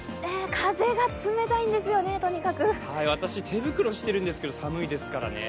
風が冷たいんですよね、とにかく私、手袋してるんですけど寒いですからね。